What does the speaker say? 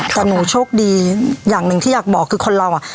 แต่หนูโชคดีอย่างหนึ่งที่อยากบอกคือคนเราอ่ะ